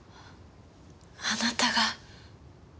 あなたが。